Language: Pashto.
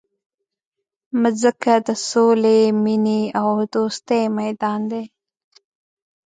مځکه د سولي، مینې او دوستۍ میدان دی.